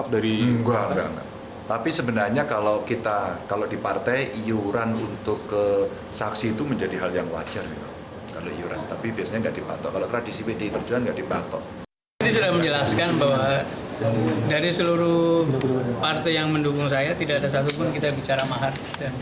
dari seluruh partai yang mendukung saya tidak ada satu pun kita bicara mahar